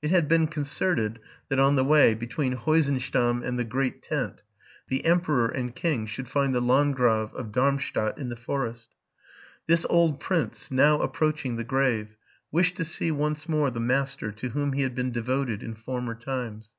It had been concerted, that on the way, between Heusen stamm and the great tent, the emperor and king should find the Landgrave of Darmstadt in the forest. This old prince, now approaching the grave, wished to see once more the master to whom he had been devoted in former times.